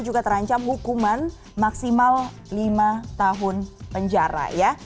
juga terancam hukuman maksimal lima tahun penjara ya